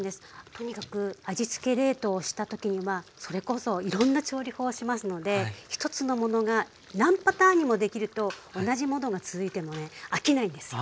とにかく味つけ冷凍をした時にはそれこそいろんな調理法をしますので１つのものが何パターンにもできると同じものが続いてもね飽きないんですよ。